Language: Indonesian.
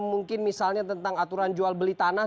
mungkin misalnya tentang aturan jual beli tanah